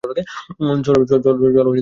চল অপারেশন করি।